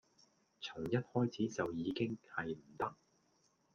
從一開始就已經係唔得